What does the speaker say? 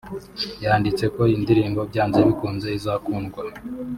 yanditse ko iyi ndirimbo byanze bikunze izakundwa